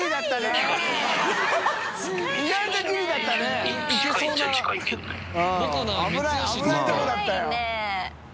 危ないところだったよ。